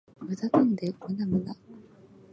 無駄なんだよ、無駄無駄